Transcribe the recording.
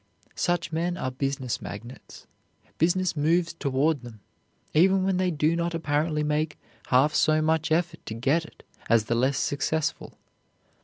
Such men are business magnets. Business moves toward them, even when they do not apparently make half so much effort to get it as the less successful.